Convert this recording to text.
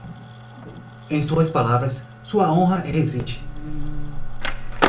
Em suas palavras, sua honra reside.